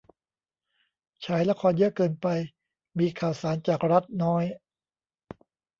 ฉายละครเยอะเกินไป มีข่าวสารจากรัฐน้อย